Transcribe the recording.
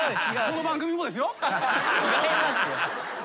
違いますよ。